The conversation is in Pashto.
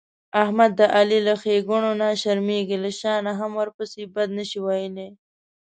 احمد د علي له ښېګڼونه شرمېږي، له شا نه هم ورپسې بد نشي ویلای.